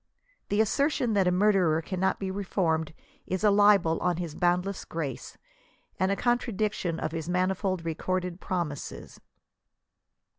the assertion that a murderer cannot be re formed is a libel on his boundless grace, and a contradiction of his manifold recorded promises.